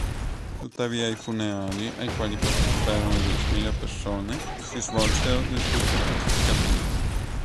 Tuttavia, i funerali, ai quali parteciparono diecimila persone; si svolsero del tutto pacificamente.